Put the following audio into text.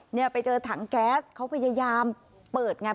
เนี่ยไปเจอถังแก๊สเขาพยายามเปิดไง